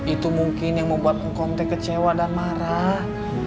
itu mungkin yang membuat ngkom t kecewa dan marah